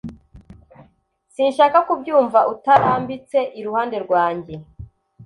Sinshaka kubyuka utarambitse iruhande rwanjye